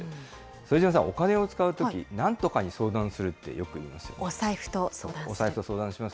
副島さん、お金を使うとき、なんとかに相談するってよく言いますお財布と相談する。